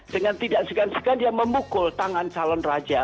dengan tidak segan segan dia memukul tangan calon raja